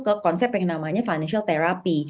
ke konsep yang namanya financial therapy